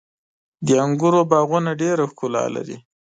• د انګورو باغونه ډېره ښکلا لري.